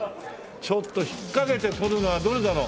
ちょっと引っかけて取るのはどれだろう？